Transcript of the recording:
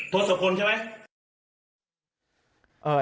โทษกลพพิ